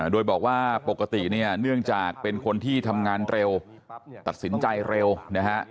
โดยบอกว่าปกติเนี่ยเนื่องจากเป็นคนที่ทำงานเร็วตัดสินใจเร็วนะฮะ